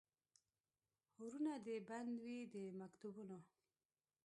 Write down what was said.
ورونه دي بند وي د مکتبونو